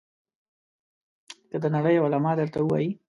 که د نړۍ علما درته وایي.